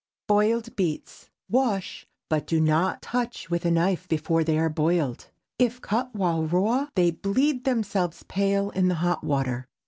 BOILED BEETS. Wash, but do not touch with a knife before they are boiled. If cut while raw, they bleed themselves pale in the hot water.